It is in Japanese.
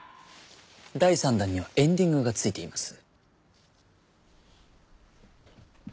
第３弾にはエンディングがついています。